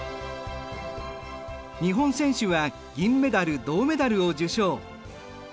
日本選手は銀メダル銅メダルを受賞。